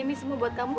ini semua buat kamu